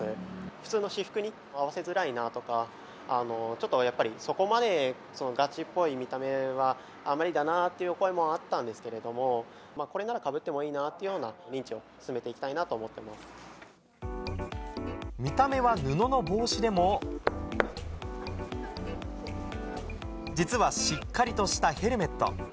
普通の私服に合わせづらいなとか、ちょっとやっぱり、そこまでがちっぽい見た目はあんまりだなというお声もあったんですけども、これならかぶってもいいなというような認知を進めていきたいなと見た目は布の帽子でも、実はしっかりとしたヘルメット。